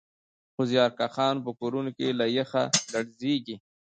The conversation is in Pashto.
خو زیارکښان په کورونو کې له یخه لړزېږي